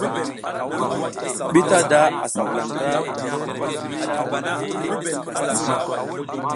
Bitada asa vula ndra lezl ngi sla tiprik pastaʼa.